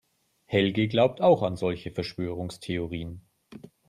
Helge glaubt auch an solche Verschwörungstheorien.